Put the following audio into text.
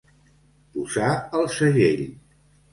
Posar el segell.